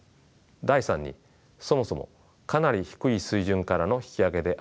第３にそもそもかなり低い水準からの引き上げであったという事情もあります。